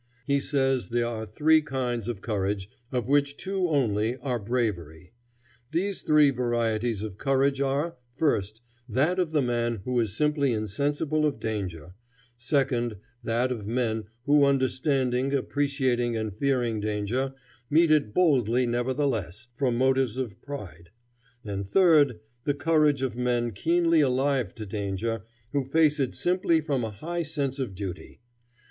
He says there are three kinds of courage, of which two only are bravery. These three varieties of courage are, first, that of the man who is simply insensible of danger; second, that of men who, understanding, appreciating, and fearing danger, meet it boldly nevertheless, from motives of pride; and third, the courage of men keenly alive to danger, who face it simply from a high sense of duty.